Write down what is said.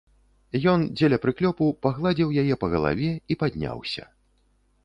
Ён, дзеля прыклёпу, пагладзіў яе па галаве і падняўся.